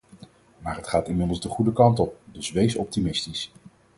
Maar het gaat inmiddels de goede kant op, dus wees optimistisch!